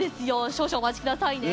少々お待ちくださいね。